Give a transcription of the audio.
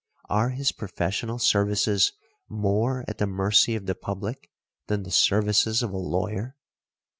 Are his professional services more at the mercy of the public than the services of a lawyer?